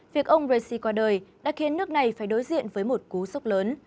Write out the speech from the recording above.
việc ông raisi qua đời đã khiến nước này phải đối diện với một cú sốc lớn